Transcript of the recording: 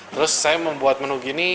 terus saya membuat menu gini